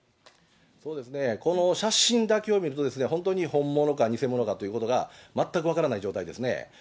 そうですね、この写真だけを見ると、本当に本物か偽物かということが全く分からない状態ですね。